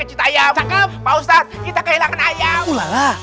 iya pak ustadz